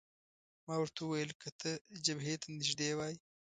ما ورته وویل: که ته جبهې ته نږدې وای.